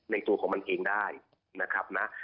ตัวของมันเองได้นะครับนะ